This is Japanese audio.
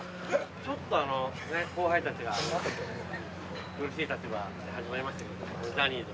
ちょっと後輩たちが苦しい立場で始まりましたけど、ジャニーズの。